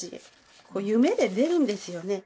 夢で出るんですよね。